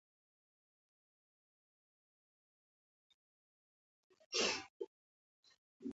استمراري ماضي حالت اوږدوي.